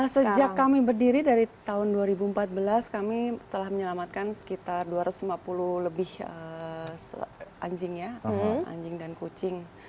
sejak kami berdiri dari tahun dua ribu empat belas kami telah menyelamatkan sekitar dua ratus lima puluh lebih anjing ya anjing dan kucing